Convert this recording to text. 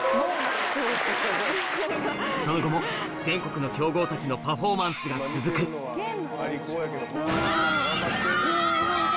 その後も全国の強豪たちのパフォーマンスが続くよいしょ！